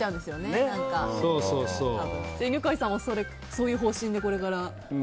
犬飼さんはそういう方針で、これから？